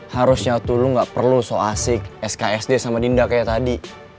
harusnya tuh lu gak perlu so asik sksd sama dinda kayak tadi